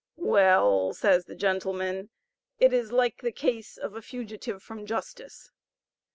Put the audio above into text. "Well," says the gentleman, "it is like the case of a fugitive from justice."